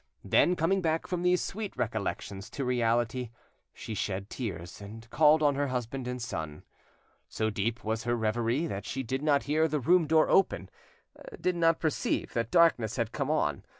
Then, coming back from these sweet recollections to reality, she shed tears, and called on her husband and son. So deep was her reverie that she did not hear the room door open, did not perceive that darkness had come on.